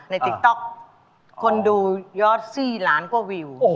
ติ๊กต๊อกคนดูยอด๔ล้านกว่าวิว